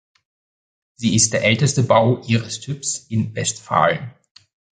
Sie ist der älteste Bau ihres Typs in Westfalen.